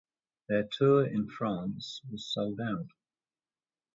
Their tour in France was sold out.